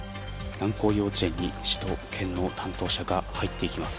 南光幼稚園に市と県の担当者が入っていきます。